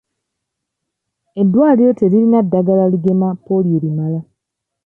Eddwaliro teririna ddagala ligema pooliyo limala.